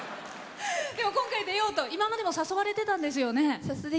今回、出ようと今まで誘われてたんですよね。